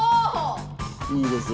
いいですよ。